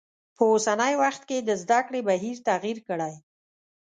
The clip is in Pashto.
په اوسنی وخت کې د زده کړی بهیر تغیر کړی.